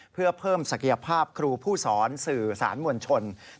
เพื่อเพิ่มศักยภาพครูผู้สอนสื่อสารมวลชน